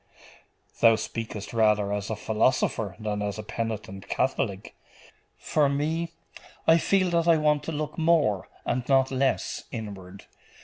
'Thou speakest rather as a philosopher than as a penitent Catholic. For me, I feel that I want to look more, and not less, inward.